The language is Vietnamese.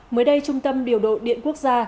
mới đây trung tâm điều độ điện quốc gia